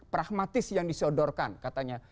pragmatis yang disodorkan katanya